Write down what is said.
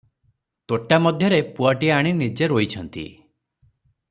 ତୋଟା ମଧ୍ୟରେ ପୁଆଟିଏ ଆଣି ନିଜେ ରୋଇଛନ୍ତି ।